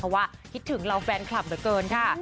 เพราะว่าคิดถึงเราแฟนคลัมเฉยค่ะ